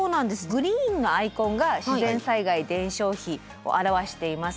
グリーンのアイコンが自然災害伝承碑を表しています。